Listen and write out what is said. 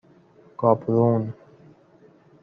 گابرون